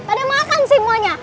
pada makan semuanya